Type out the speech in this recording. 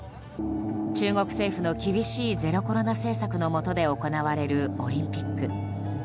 中国政府の厳しいゼロコロナ政策のもとで行われるオリンピック。